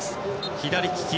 左利き。